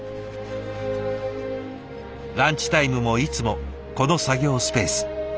ランチタイムもいつもこの作業スペース。